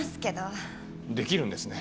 できるんですね。